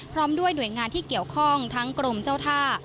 พร้อมด้วยหน่วยงานที่เกี่ยวข้องทั้งกรมเจ้าท่า